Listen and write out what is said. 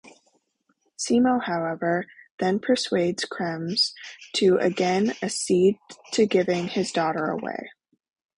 Simo however then persuades Chremes to again accede to giving his daughter away.